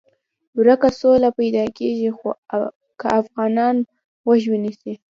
ورکه سوله پیدا کېږي خو که افغانان غوږ ونیسي.